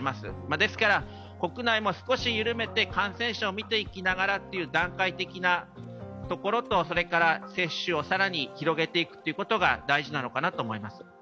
ですから国内も少し緩めて感染者を見ていきながらという段階的なところとそれから接種を更に広げていくということが大事かと思います。